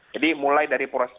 jadi mulai dari proses